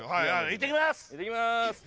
いってきます！